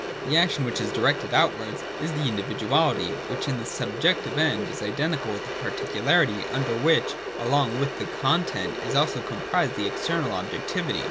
208.] (2) This action which is directed outwards is the individuality, which in the Subjective End is identical with the particularity under which, along with the con tent, is also comprised the external objectivity.